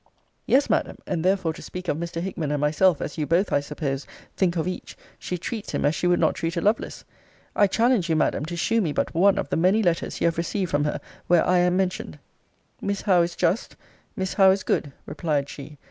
Yes, Madam; and therefore to speak of Mr. Hickman and myself, as you both, I suppose, think of each, she treats him as she would not treat a Lovelace. I challenge you, Madam, to shew me but one of the many letters you have received from her, where I am mentioned. Miss Howe is just; Miss Howe is good, replied she.